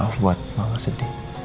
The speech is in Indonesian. maaf buat mama sedih